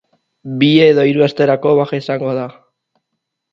Bi edo hiru asterako baja izago da.